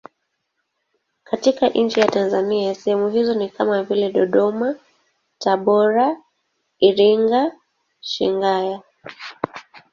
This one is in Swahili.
Katika nchi ya Tanzania sehemu hizo ni kama vile Dodoma, Tabora, Iringa, Shinyanga.